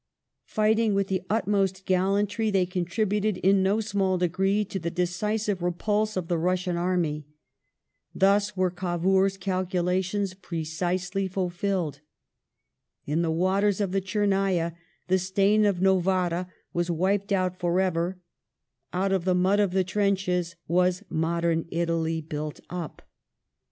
Fighting with the utmost gallantry they contributed in no small degree to the decisive repulse of the Russian army. Thus were ' Cavoui*'s calculations precisely fulfilled. In the waters of the ' Tchernava the stain of Novara was wiped out for ever ; out of the inud of the trenches was modern Italy built up.